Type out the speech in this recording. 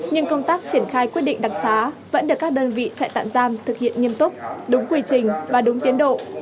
nhưng công tác triển khai quyết định đặc xá vẫn được các đơn vị trại tạm giam thực hiện nghiêm túc đúng quy trình và đúng tiến độ